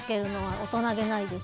大人げないです。